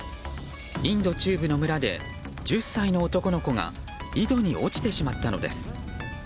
インド中部の村で１０歳の男の子が井戸に落ちてしまったのです。